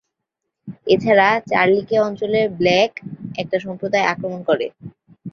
এছাড়া চার্লি কে অঞ্চলের ব্ল্যাক একটা সম্প্রদায় আক্রমণ করে।